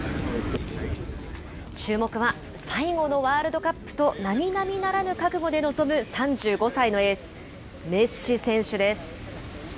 注目は最後のワールドカップと、並々ならぬ覚悟で臨む３５歳のエース、メッシ選手です。